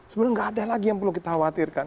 sebenarnya nggak ada lagi yang perlu kita khawatirkan